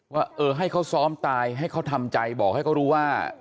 ว่าเออให้เขาซ้อมตายให้เขาทำใจบอกให้เขารู้ว่า